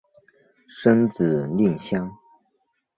生子令香。